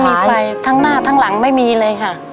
มีไฟทั้งหน้าทั้งหลังไม่มีเลยค่ะ